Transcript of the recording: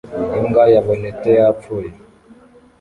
Imbwa yabonetse yapfuye